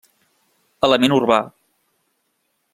Element urbà.